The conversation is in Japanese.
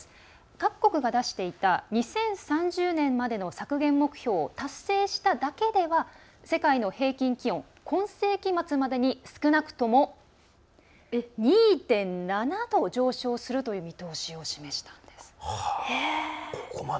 各国が出していた２０３０年までの削減目標を達成しただけでは世界の平均気温、今世紀末までに少なくとも２．７度上昇するという見通しを示したんです。